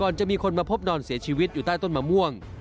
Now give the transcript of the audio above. จะมีคนมาพบนอนเสียชีวิตอยู่ใต้ต้นมะม่วง